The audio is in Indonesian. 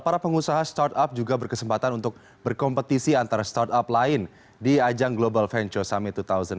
para pengusaha startup juga berkesempatan untuk berkompetisi antara startup lain di ajang global venture summit dua ribu delapan belas